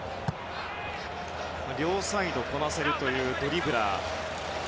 両サイドこなせるというドリブラー。